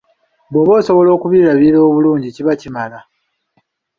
Bwoba osobola okubirabirira obulungi kiba bimala.